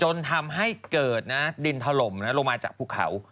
จนทำให้เกิดดินถล่มลงมาจากภูเขา